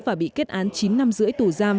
và bị kết án chín năm rưỡi tù giam